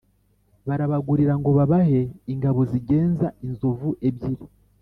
barabagurira ngo babahe ingabo zigenza inzovu ebyiri.